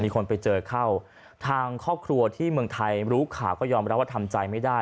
คนไปเจอเข้าทางครอบครัวที่เมืองไทยรู้ข่าวก็ยอมรับว่าทำใจไม่ได้